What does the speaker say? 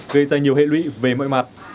gây ra nhiều hệ lụy về mọi mặt